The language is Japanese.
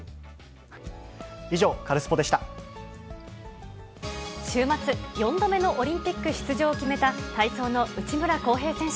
以上、週末、４度目のオリンピック出場を決めた、体操の内村航平選手。